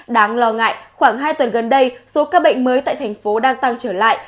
đáng lo ngại khoảng hai tuần gần đây số ca bệnh mới tại thành phố đang tăng trở lại